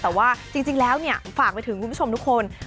แต่ว่าจริงแล้วเนี่ยฝากไปถึงคุณผู้ชมทุกคน